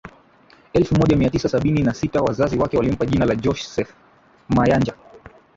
elfu moja mia tisa sabini na sita wazazi wake walimpa jina la Joseph Mayanja